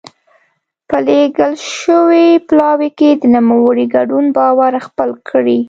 په لېږل شوي پلاوي کې د نوموړي ګډون باور خپل کړي.